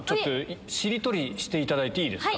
しりとりしていただいていいですか？